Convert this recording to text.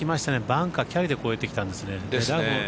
バンカーキャリーで越えてきたんですね。